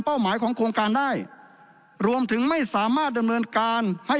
หมายของโครงการได้รวมถึงไม่สามารถดำเนินการให้